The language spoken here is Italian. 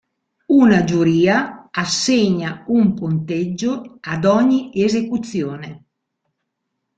Una giuria assegna un punteggio a ogni esecuzione.